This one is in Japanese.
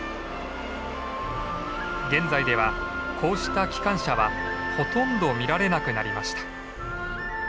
現在ではこうした機関車はほとんど見られなくなりました。